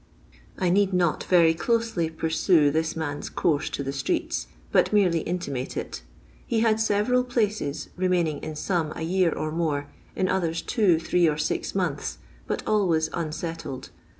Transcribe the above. I need not very closely pursue this man's eonrse to the streets, but merely intimate it. He had several places, remaining in some a year or more, in others two, three, or six months, but always unsettled.